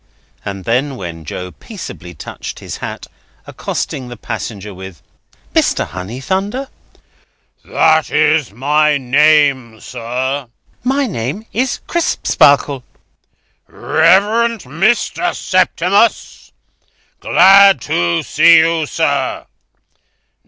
and then, when Joe peaceably touched his hat, accosting the passenger with: "Mr. Honeythunder?" "That is my name, sir." "My name is Crisparkle." "Reverend Mr. Septimus? Glad to see you, sir.